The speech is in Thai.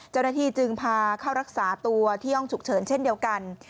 เจ้าหน้าที่จึงพาเข้ารักษาตัวที่ห้องฉุกเฉินเช่นเดียวกัน